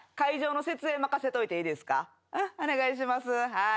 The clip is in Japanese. はい。